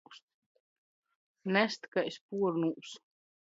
Nest kai spuornūs.